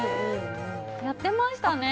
やってましたね。